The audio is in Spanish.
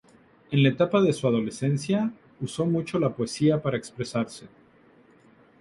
En la etapa de su adolescencia uso mucho la poesía para expresarse.